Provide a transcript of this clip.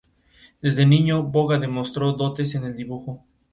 La mayoría de las versiones de la canción terminan con la línea "¡Viva Serbia!".